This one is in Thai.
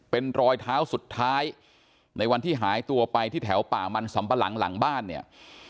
เป็นรอยเท้าสุดท้ายในวันที่หายตัวไปที่แถวป่ามันสำปะหลังหลังบ้านเนี่ย